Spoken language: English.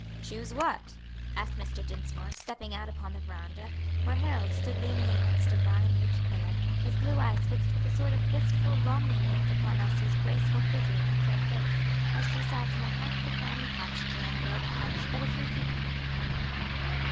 "Choose what?" asked Mr. Dinsmore, stepping out upon the veranda, where Harold stood leaning against a vine wreathed pillar, his blue eyes fixed with a sort of wistful, longing look upon Elsie's graceful figure and fair face, as she sat in a half reclining posture on a low couch but a few feet from him.